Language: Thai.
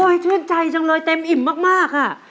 ชื่นใจจังเลยเต็มอิ่มมากอ่ะ